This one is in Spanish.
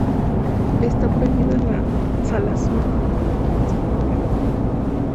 Está prohibida la salazón en salmuera.